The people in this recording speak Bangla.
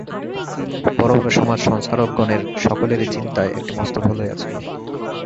বড় বড় সমাজ সংস্কারকগণের সকলেরই চিন্তায় একটি মস্ত ভুল হইয়াছিল।